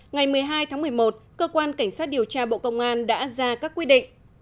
ngày một mươi hai tháng một mươi một cơ quan cảnh sát điều tra bộ công an đã ra các quy định